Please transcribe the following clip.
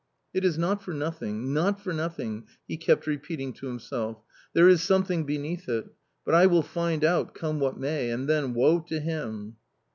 " It is not for nothing, not for nothing," he kept repeating to himself, " there is something beneath it 1 But I will find out, come what may, and then woe to him."